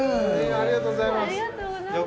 ありがとうございます